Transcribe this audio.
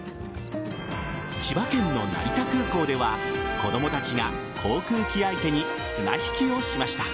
千葉県の成田空港では子供たちが航空機相手に綱引きをしました。